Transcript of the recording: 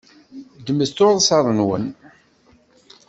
Ddmet tursaḍ-nwen.